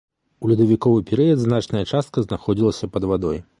У ледавіковы перыяд значная частка знаходзілася пад вадой.